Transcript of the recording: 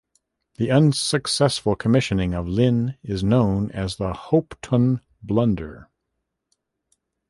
The unsuccessful commissioning of Lyne is known as The Hopetoun Blunder.